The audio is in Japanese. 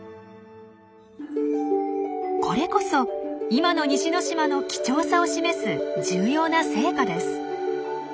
これこそ今の西之島の貴重さを示す重要な成果です。